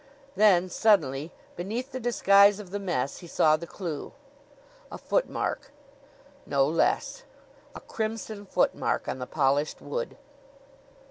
Then suddenly, beneath the disguise of the mess, he saw the clew. A footmark! No less. A crimson footmark on the polished wood!